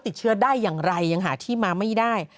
ติดเชื้อได้อย่างไรยังหาที่มาไม่ได้